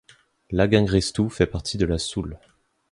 Laguinge-Restoue fait partie de la Soule.